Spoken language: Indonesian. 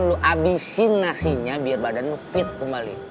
lo abisin nasinya biar badan lo fit kembali